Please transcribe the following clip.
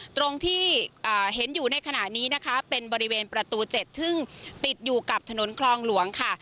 ตรงที่เห็นอยู่ในขณะนี้นะคะเป็นบริเวณประตู๗ซึ่งติดอยู่กับถนนคลองหลวงค่ะ